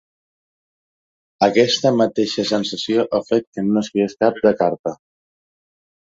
Aquesta mateixa sensació ha fet que no n’escrigués cap, de carta.